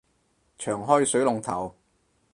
長開水龍頭